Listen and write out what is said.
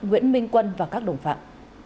nguyễn minh quân và các đồng phạm